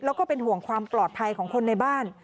แล้วก็เป็นห่วงความปลอดภัยของคนในบ้าน